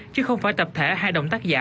chứ không phải tập thể hai đồng tác giả